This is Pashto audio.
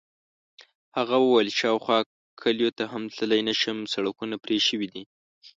هغه وویل: شاوخوا کلیو ته هم تللی نه شم، سړکونه پرې شوي دي.